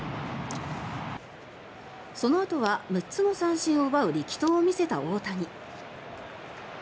そのあとは６つの三振を奪う力投を見せた大谷。